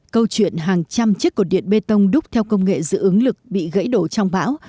câu chuyện hàng trăm chiếc cột điện bê tông đúc theo công nghệ dự ứng lực bị gãy đổ trong bão